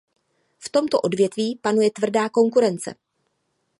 V tomto odvětví panuje tvrdá konkurence.